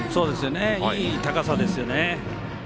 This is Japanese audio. いい高さですよね。